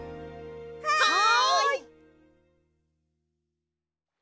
はい！